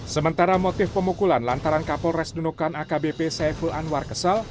sementara motif pemukulan lantaran kapolres nunukan akbp saiful anwar kesal